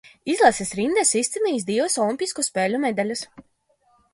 Izlases rindās izcīnījis divas olimpisko spēļu medaļas.